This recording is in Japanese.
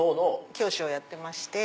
教師をやってまして。